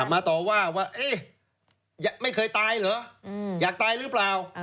มาต่อว่าว่าไม่เคยตายเหรออยากตายหรือเปล่า